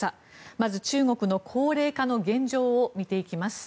まず中国の高齢化の現状を見ていきます。